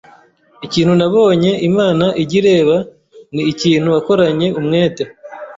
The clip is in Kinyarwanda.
ikintu nabonye Imana ijya ireba ni ikintu wakoranye umwete